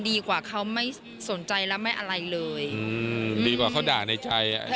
ดีกว่าเขาไม่สนใจและไม่อะไรเลย